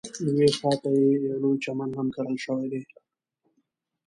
یوې خواته یې یو لوی چمن هم کرل شوی دی.